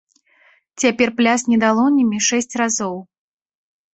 Цяпер плясні далонямі шэсць разоў.